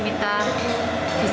disokan di rumah